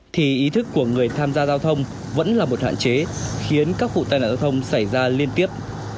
thì ý thức của người tham gia giao thông vẫn là một hạn chế khiến các vụ tai nạn giao thông xảy ra liên tiếp